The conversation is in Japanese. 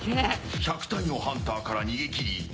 １００体のハンターから逃げ切り